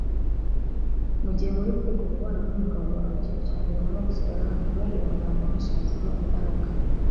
Mu gihe muri kwiga umubano n’umugabo wawe ikintu cya mbere ugomba gusigarana ni ukumubwira amagambo amusubizamo imbaraga